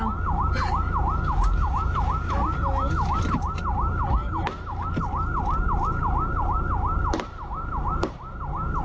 อาร์มถอย